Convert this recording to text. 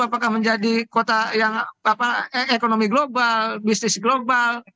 apakah menjadi kota yang ekonomi global bisnis global